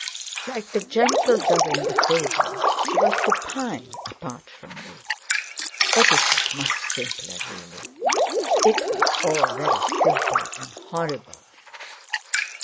Like the gentle dove in the fable she was to pine apart from me.... But it was much simpler really.... It was all very simple and horrible."